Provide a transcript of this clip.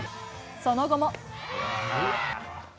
その後も。